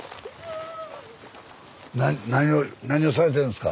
何をされてるんですか？